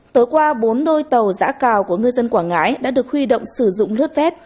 tối qua bốn đôi tàu giã cào của ngư dân quảng ngãi đã được huy động sử dụng lướt vét